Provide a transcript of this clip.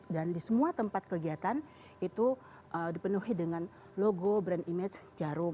dan di semua tempat kegiatan itu dipenuhi dengan logo brand image jarum